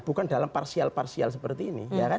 bukan dalam partial partial seperti ini